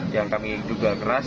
yang kami juga keras